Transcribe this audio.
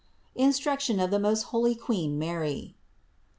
INSTRUCTION OF THE MOST HOLY QUEEN MARY.